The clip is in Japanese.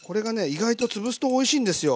意外と潰すとおいしいんですよ。